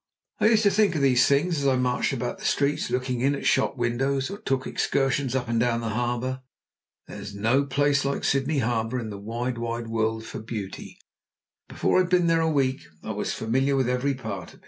I used to think of these things as I marched about the streets looking in at shop windows, or took excursions up and down the harbour. There's no place like Sydney Harbour in the wide, wide world for beauty, and before I'd been there a week I was familiar with every part of it.